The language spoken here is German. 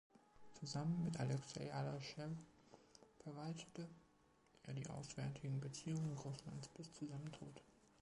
Zusammen mit Alexei Adaschew verwaltete er die auswärtigen Beziehungen Russlands bis zu seinem Tod.